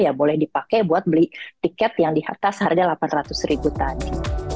ya boleh dipake buat beli tiket yang diharga harga delapan ratus ribu tani